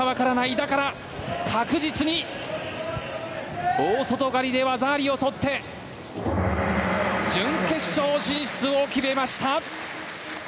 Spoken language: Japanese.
だから確実に大外刈りで技ありを取って準決勝進出を決めました！